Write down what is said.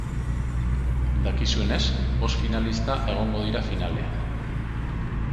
Dakizuenez, bost finalista egongo dira finalean.